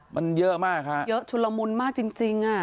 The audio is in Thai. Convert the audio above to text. มันเยอะมากค่ะเยอะชุลมุนมากจริง